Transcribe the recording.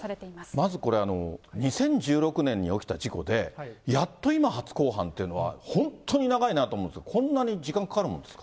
まずこれ、２０１６年に起きた事故で、やっと今、初公判というのは、本当に長いなと思うんですが、こんなに時間かかるもんですか。